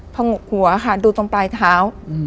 ผงกหัวค่ะดูตรงปลายเท้า